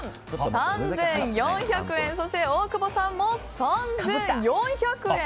３４００円そして、大久保さんも３４００円。